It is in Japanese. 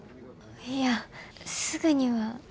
いやすぐには。